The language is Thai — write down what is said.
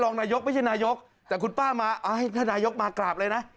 นายกไม่ใช่นายกแต่คุณป้ามาให้ท่านนายกมากราบเลยนะ